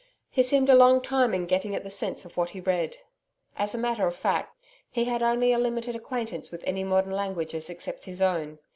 He seemed a long time in getting at the sense of what he read. As a matter of fact, he had only a limited acquaintance with any modern languages except his own.